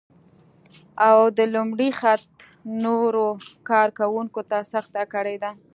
او د لومړي خط نورو کار کونکو ته سخته کړې ده